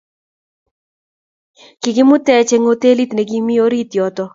Kikimutech eng hotelit nekimi orit yoto